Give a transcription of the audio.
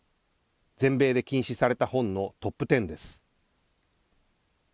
全米で禁止された本のトップ１０です。